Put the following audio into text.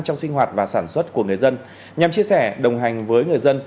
trong sinh hoạt và sản xuất của người dân nhằm chia sẻ đồng hành với người dân